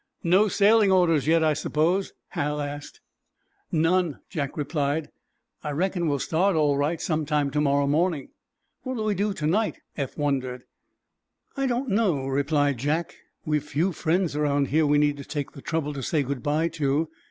"No sailing orders yet, I suppose?" Hal asked. "None," Jack replied. "I reckon we'll start, all right, some time to morrow morning." "What'll we do to night?" Eph wondered. "I don't know," replied Jack. "We've few friends around here we need to take the trouble to say good bye to.